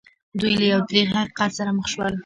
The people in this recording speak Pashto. دوی له یو تریخ حقیقت سره مخ شول